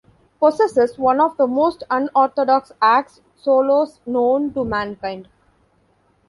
Possesses one of the most unorthodox 'axe' solos known to mankind.